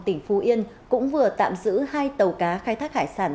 tỉnh phú yên cũng vừa tạm giữ hai tàu cá khai thác hải sản